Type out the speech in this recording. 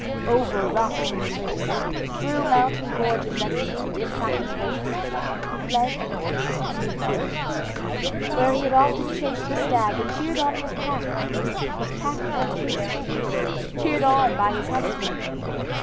Over rocks and cliffs, through mountain gorges that seemed impracticable, he fled and they followed. Where he had often chased the stag and cheered on his pack, his pack now chased him, cheered on by his huntsmen.